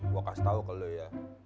gue kasih tau ke lo ya